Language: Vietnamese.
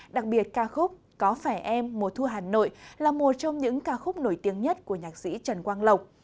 đặc biệt ca khúc có phải em mùa thu hà nội là một trong những ca khúc nổi tiếng nhất của nhạc sĩ trần quang lộc